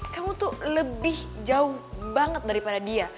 kamu tuh lebih jauh banget daripada dia